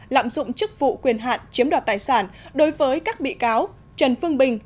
lạm dụng chức vụ quyền hạn chiếm đoạt tài sản đối với các bị cáo trần phương bình